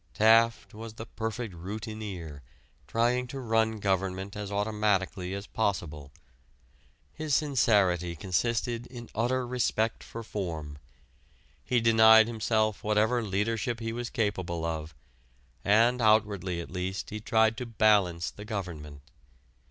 Taft was the perfect routineer trying to run government as automatically as possible. His sincerity consisted in utter respect for form: he denied himself whatever leadership he was capable of, and outwardly at least he tried to "balance" the government.